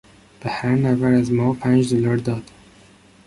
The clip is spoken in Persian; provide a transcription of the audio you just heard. به هر نفر از ما پنج دلار داد.